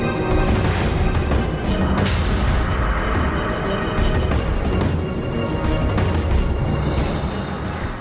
สวัสดีครับ